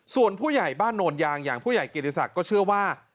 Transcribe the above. ส่วนผู้ใหญ่บ้านโนนยางอย่างผู้ใหญ่กิติศักดิ์ก็เชื่อว่า